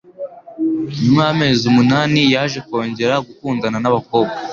Nyuma y'amezi umunani, yaje kongera gukundana nabakobwa.